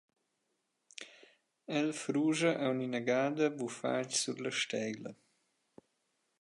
El fruscha aunc ina gada bufatg sur la steila.